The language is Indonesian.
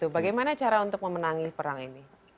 bagaimana cara untuk memenangi perang ini